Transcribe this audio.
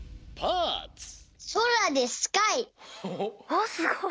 あっすごい。